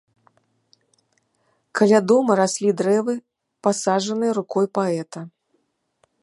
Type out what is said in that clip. Каля дома раслі дрэвы, пасаджаныя рукой паэта.